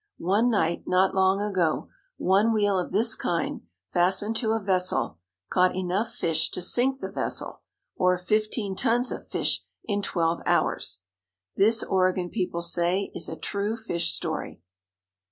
One night, not long ago, one wheel of this, kind, fastened to a vessel, caught enough fish to sink the vessel, or fifteen tons of fish, in twelve hours. This, Oregon people say, is a true fish story.